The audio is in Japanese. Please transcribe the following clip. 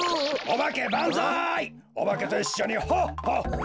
おばけといっしょにほっほっほ！